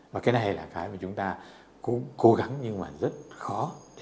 và cái này là cái mà chúng ta cũng cố gắng nhưng mà rất khó